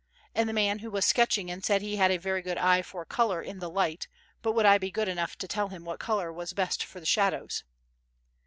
And the man who was sketching and said he had a very good eye for colour in the light, but would I be good enough to tell him what colour was best for the shadows.